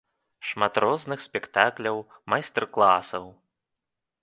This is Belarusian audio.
Шмат розных спектакляў, майстар-класаў!